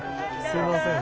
すいません。